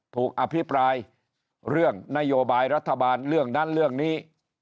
อภิปรายเรื่องนโยบายรัฐบาลเรื่องนั้นเรื่องนี้